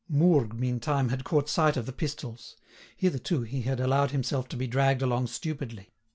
Mourgue, meantime, had caught sight of the pistols. Hitherto he had allowed himself to be dragged along stupidly.